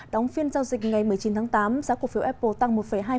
đóng phiên giao dịch ngày một mươi chín tháng tám giá cổ phiếu apple tăng một hai